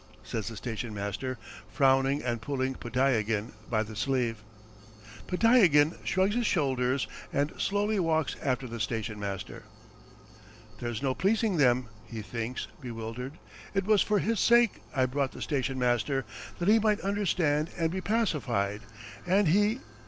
." says the station master, frowning and pulling Podtyagin by the sleeve. Podtyagin shrugs his shoulders and slowly walks after the station master. "There's no pleasing them!" he thinks, bewildered. "It was for his sake I brought the station master, that he might understand and be pacified, and he